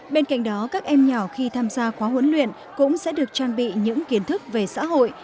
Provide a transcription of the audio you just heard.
bên cạnh đó các em nhỏ khi tham gia khóa huấn luyện cũng sẽ được trang bị những kiến thức về xã hội